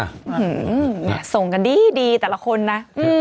ส่งกันดีแต่ละคนนะ